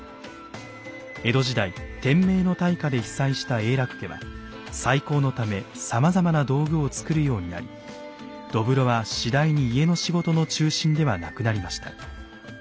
江戸時代天明の大火で被災した永樂家は再興のためさまざまな道具を作るようになり土風炉は次第に家の仕事の中心ではなくなりました。